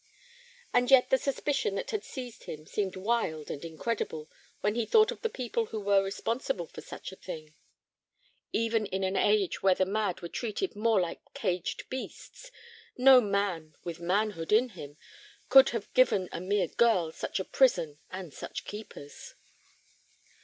And yet the suspicion that had seized him seemed wild and incredible when he thought of the people who were responsible for such a thing. Even in an age when the mad were treated more like caged beasts, no man with manhood in him could have given a mere girl such a prison and such keepers.